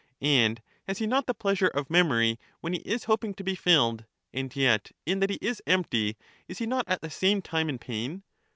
And has he not the pleasure of memory when he is hoping to be filled, and yet in that he is empty is he not at the same time in pain